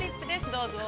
どうぞ。